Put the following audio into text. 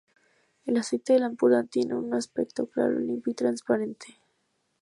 El aceite del Ampurdán tiene un aspecto claro, limpio y transparente.